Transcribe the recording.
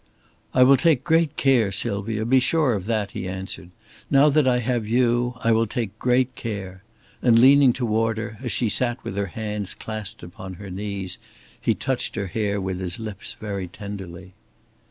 "I will take great care, Sylvia. Be sure of that," he answered. "Now that I have you, I will take great care," and leaning toward her, as she sat with her hands clasped upon her knees, he touched her hair with his lips very tenderly.